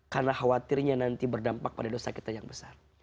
karena khawatirnya nanti berdampak pada dosa kita yang besar